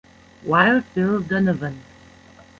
"Wild Bill" Donovan.